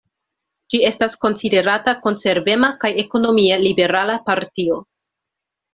Ĝi estas konsiderata konservema kaj ekonomie liberala partio.